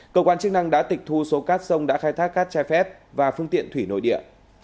cơ quan chức năng đã tịch thu số cát sông đã khai thác cát trái phép và phương tiện thủy nội địa